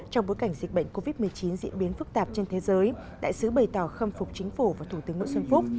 trong bối cảnh dịch bệnh covid một mươi chín diễn biến phức tạp trên thế giới đại sứ bày tỏ khâm phục chính phủ và thủ tướng nguyễn xuân phúc